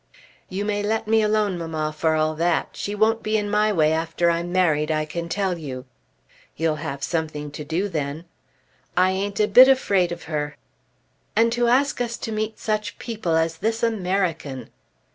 "You may let me alone, mamma, for all that. She won't be in my way after I'm married, I can tell you." "You'll have something to do then." "I ain't a bit afraid of her." "And to ask us to meet such people as this American!"